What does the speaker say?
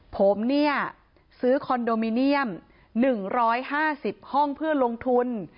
ผมเนี่ยซื้อคอนโดมิเนียม๑๕๐ห้องเพื่อลงทุน